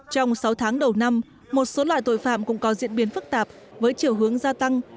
trong sáu tháng đầu năm một số loại tội phạm cũng có diễn biến phức tạp với chiều hướng gia tăng